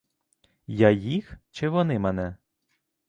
Я їх чи вони мене?